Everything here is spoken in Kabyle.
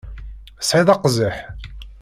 Tesɛiḍ aqziḥ?